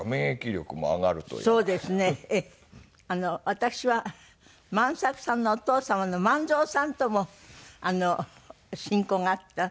私は万作さんのお父様の万蔵さんとも親交があった。